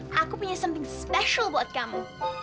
hey aku punya sesuatu yang spesial buat kamu